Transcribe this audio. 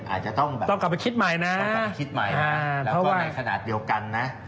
อาจจะต้องกลับคิดใหม่แล้วก็ในขนาดเดียวกัน